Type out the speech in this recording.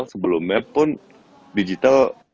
sebelumnya pun digital